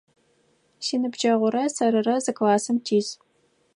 Синыбджэгъурэ сэрырэ зы классым тис.